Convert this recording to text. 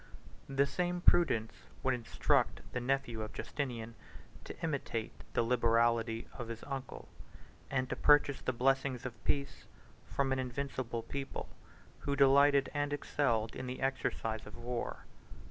The same prudence would instruct the nephew of Justinian to imitate the liberality of his uncle, and to purchase the blessings of peace from an invincible people, who delighted and excelled in the exercise of war.